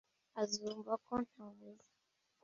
azumva ko ntabuze